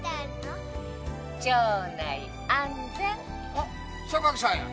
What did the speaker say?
あっ榊さんや。